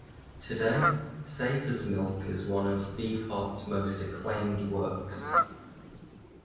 Today, "Safe as Milk" is one of Beefheart's most acclaimed works.